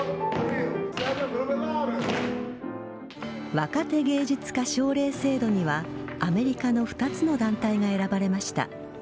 若手芸術家奨励制度にはアメリカの２つの団体が選ばれました。